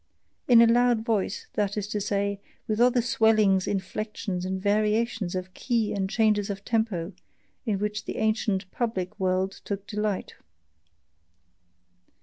In a loud voice: that is to say, with all the swellings, inflections, and variations of key and changes of TEMPO, in which the ancient PUBLIC world took delight.